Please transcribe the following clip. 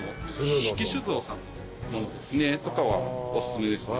樋木酒造さんのものですねとかはおすすめですね。